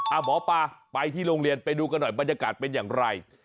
หมอปลาไปที่โรงเรียนไปดูกันหน่อยบรรยากาศเป็นอย่างไร